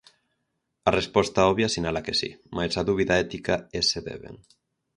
A resposta obvia sinala que si, mais a dúbida ética é se deben.